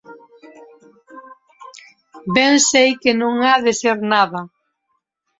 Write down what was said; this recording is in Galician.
Ben sei que non ha de ser nada.